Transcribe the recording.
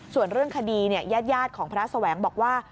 ส่วนเรื่องคดีญาติของพระแสวงบอกว่า